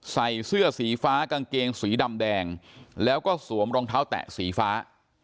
ใส่เสื้อสีฟ้ากางเกงสีดำแดงแล้วก็สวมรองเท้าแตะสีฟ้า